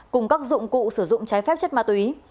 cùng các dụng cụ sử dụng trái phép chất ma túy